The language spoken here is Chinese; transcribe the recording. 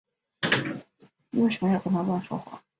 妳为什呢要跟他乱说话